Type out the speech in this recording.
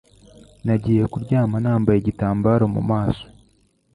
Nagiye kuryama nambaye igitambaro mu maso.